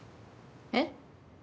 えっ？